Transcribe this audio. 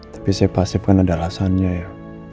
tapi saya pasif kan ada alasannya ya